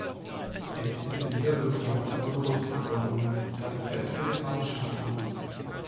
Es ist mit den Wirbelkörpern nur lose verbunden, dafür fest mit den Bandscheiben.